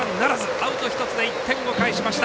アウト１つで１点を返しました。